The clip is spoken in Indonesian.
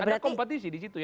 ada kompetisi disitu